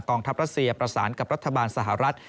ทัพรัสเซียประสานกับรัฐบาลสหรัฐ